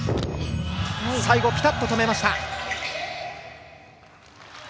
最後ぴたっと止めました。